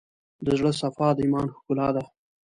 د زړه صفا، د ایمان ښکلا ده.